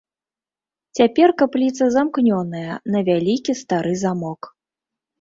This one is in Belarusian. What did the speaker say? Цяпер капліца замкнёная на вялікі стары замок.